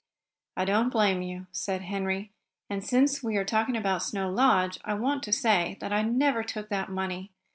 "I don't blame you," said Henry. "And, since we are talking about Snow Lodge, I want to say that I never took that money.